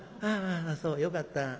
ああそうよかった。